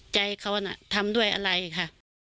ใจเขาน่ะทำด้วยอะไรค่ะ